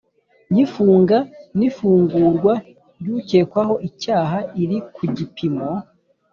Y ifunga n ifungurwa ry ukekwaho icyaha iri ku gipimo